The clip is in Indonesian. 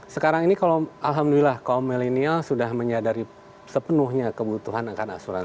sekarang ini kalau alhamdulillah kaum milenial sudah menyadari sepenuhnya kebutuhan akan asuransi